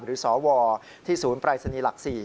สวที่ศูนย์ปรายศนีย์หลัก๔